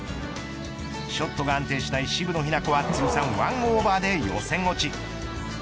ショットが安定しない渋野日向子は通算ワンオーバーで予選落ち。